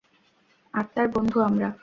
আত্মার বন্ধু আমরা!